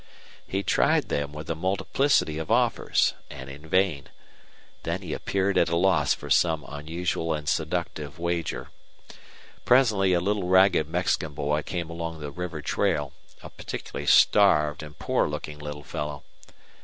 He tried them with a multiplicity of offers, and in vain. Then he appeared at a loss for some unusual and seductive wager. Presently a little ragged Mexican boy came along the river trail, a particularly starved and poor looking little fellow.